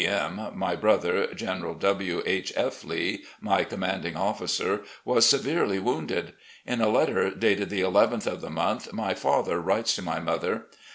m., my brother. General W. H. F. Lee, my commanding officer, was severely wounded. In a letter dated the nth of the month, my father writes to my mother